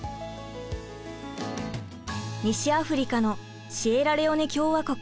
西アフリカのシエラレオネ共和国。